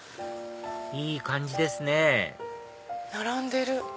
いい感じですね並んでる。